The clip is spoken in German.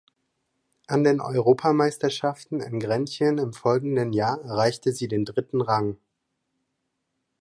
An den Europameisterschaften in Grenchen im folgenden Jahr erreichte sie den dritten Rang.